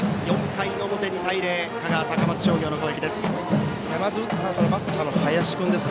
４回の表、２対０香川・高松商業の攻撃です。